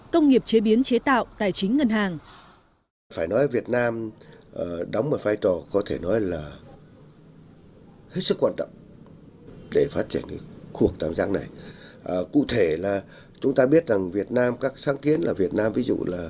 công nghiệp chế biến chế tạo tài chính ngân hàng